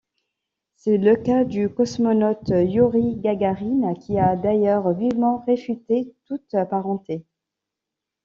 C'est le cas du cosmonaute Youri Gagarine qui a d'ailleurs vivement réfuté toute parenté.